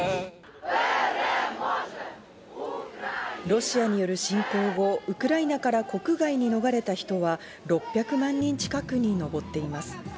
ロシアによる侵攻後、ウクライナから国外に逃れた人は６００万人近くに上っています。